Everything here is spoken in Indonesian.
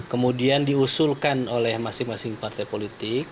kemudian diusulkan oleh masing masing partai politik